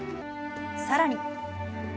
さらに。